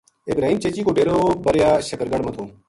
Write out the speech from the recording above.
ابراہیم چیچی کو ڈیرو بریا شکرگڑھ ما تھو